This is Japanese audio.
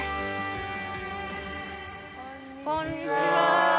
こんにちは。